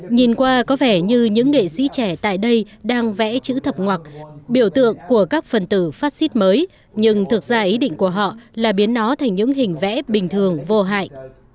nhìn qua có vẻ như những nghệ sĩ trẻ tại đây đang vẽ chữ thập ngoặc biểu tượng của các phần tử phát xít mới nhưng thực ra ý định của họ là biến nó thành những hình vẽ bình thường vô hại